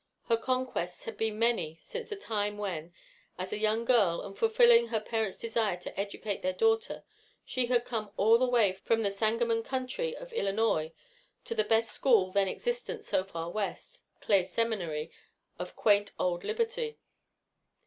Her conquests had been many since the time when, as a young girl, and fulfilling her parents' desire to educate their daughter, she had come all the way from the Sangamon country of Illinois to the best school then existent so far west Clay Seminary, of quaint old Liberty.